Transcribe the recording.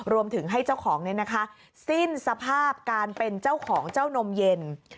รวมถึงให้เจ้าของสิ้นสภาพการเป็นเจ้าของเจ้านมเย็น